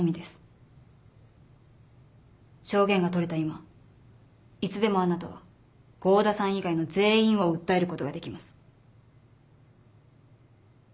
証言が取れた今いつでもあなたは合田さん以外の全員を訴えることができます。